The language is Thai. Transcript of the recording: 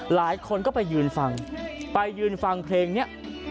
หลายคนก็ไปยืนฟังไปยืนฟังเพลงนี้